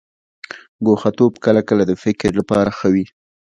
ګوښه توب کله کله د فکر لپاره ښه وي.